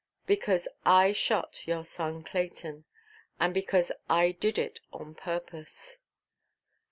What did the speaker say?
"Because I shot your son Clayton; and because I did it on purpose."